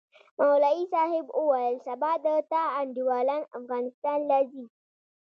مولوي صاحب وويل سبا د تا انډيوالان افغانستان له زي؟